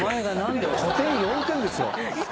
古典４点ですよ。